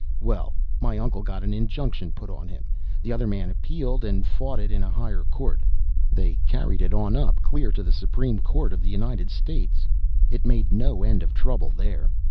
� Well, my uncle got an injunction put on him. The other man appealed and fought it in a higher court. They carried it on up, clear to the Supreme Court of the United States. It made no end of trouble there.